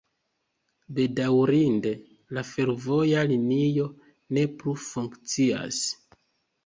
Bedaŭrinde la fervoja linio ne plu funkcias.